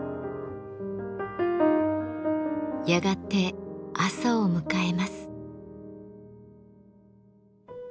やがて朝を迎えます。